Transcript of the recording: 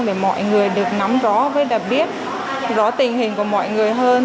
để mọi người được nắm rõ với đặc biệt rõ tình hình của mọi người hơn